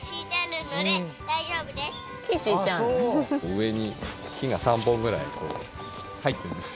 上に木が３本ぐらいこう入ってます。